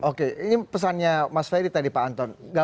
oke ini pesannya mas ferry tadi pak anton